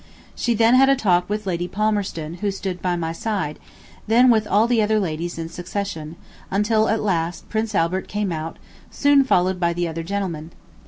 She then had a talk with Lady Palmerston, who stood by my side, then with all the other ladies in succession, until at last Prince Albert came out, soon followed by the other gentlemen.